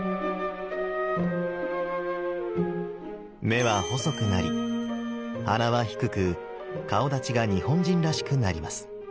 目は細くなり鼻は低く顔だちが日本人らしくなります。